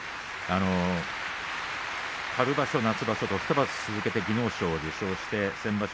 春場所夏場所と２場所続けて技能賞を受賞して先場所